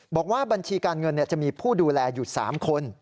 บอกว่าบัญชีการเงินจะมีผู้ดูแลอยู่๓คน